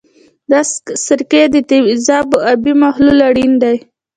د سرکې د تیزابو آبي محلول اړین دی.